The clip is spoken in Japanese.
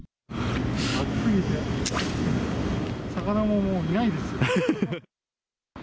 魚ももう、いないですよ。